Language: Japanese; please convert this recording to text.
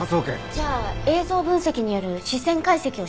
じゃあ映像分析による視線解析をしてみますか。